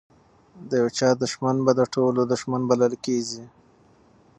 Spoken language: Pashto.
د یو چا دښمن به د ټولو دښمن بلل کیږي.